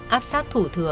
áp sát thủ thừa